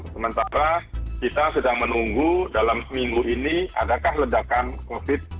sementara kita sedang menunggu dalam seminggu ini adakah ledakan covid